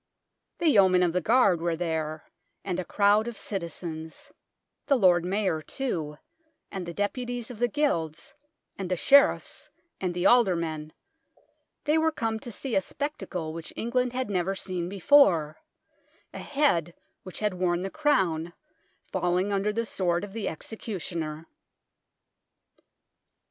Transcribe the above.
The Yeomen of the Guard were there, and a crowd of citizens ; the Lord Mayor too, and the deputies of the Guilds, and the Sheriffs, and the Aldermen ; they were come to see a spectacle which England had never seen before a head which had worn the Crown falling under the sword of the executioner.